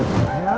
ya ampun ampun